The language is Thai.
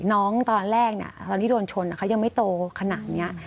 ตอนแรกตอนที่โดนชนเขายังไม่โตขนาดนี้